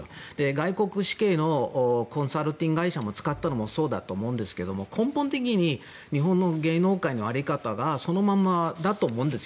外資系のコンサルタント会社を使ったのもそうだと思うんですけど根本的に日本の芸能界の在り方がそのままだと思うんです。